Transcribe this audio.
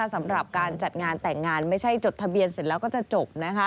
สำหรับการจัดงานแต่งงานไม่ใช่จดทะเบียนเสร็จแล้วก็จะจบนะคะ